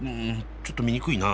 ちょっと見にくいな。